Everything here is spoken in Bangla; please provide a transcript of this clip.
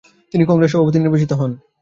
তিনি কংগ্রেস সভাপতি নির্বাচিত হন।